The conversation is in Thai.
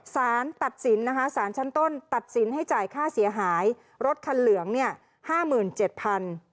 สารชั้นต้นตัดสินให้จ่ายค่าเสียหายรถคันเหลือง๕๗๐๐๐บาท